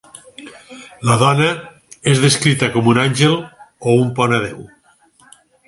La dona és descrita com un "àngel" o un "pont a Déu".